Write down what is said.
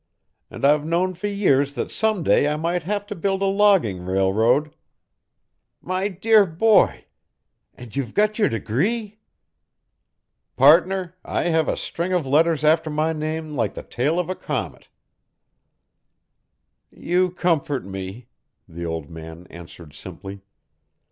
And I've known for years that some day I might have to build a logging railroad " "My dear boy! And you've got your degree?" "Partner, I have a string of letters after my name like the tail of a comet." "You comfort me," the old man answered simply.